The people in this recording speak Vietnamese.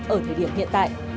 ở thời điểm hiện tại